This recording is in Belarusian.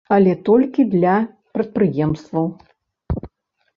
Але толькі для прадпрыемстваў.